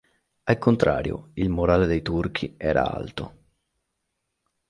Al contrario il morale dei turchi era alto.